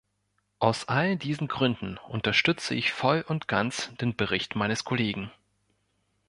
Aus all diesen Gründen unterstütze ich voll und ganz den Bericht meines Kollegen.